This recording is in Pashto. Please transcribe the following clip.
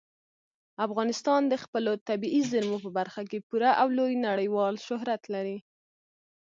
افغانستان د خپلو طبیعي زیرمو په برخه کې پوره او لوی نړیوال شهرت لري.